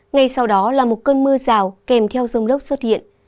ngay sau đó là một cơn mưa rào kèm theo rông lốc xuất hiện